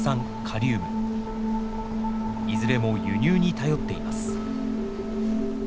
いずれも輸入に頼っています。